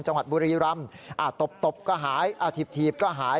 จังหวัดบุรีรำตบตบก็หายถีบถีบก็หาย